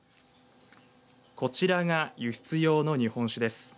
こちらが輸出用の日本酒です。